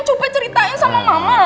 coba ceritain sama mama